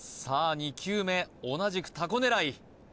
２球目同じくタコ狙い